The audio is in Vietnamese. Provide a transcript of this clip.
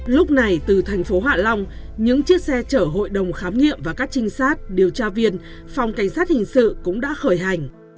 lúc này từ thành phố hạ long những chiếc xe chở hội đồng khám nghiệm và các trinh sát điều tra viên phòng cảnh sát hình sự cũng đã khởi hành